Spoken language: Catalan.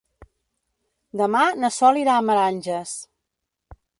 Demà na Sol irà a Meranges.